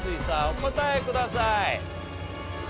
お答えください。